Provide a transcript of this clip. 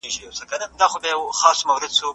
د لویې جرګي په تالار کي څه ډول فضا حاکمه ده؟